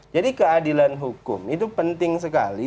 jadi keadilan hukum itu penting sekali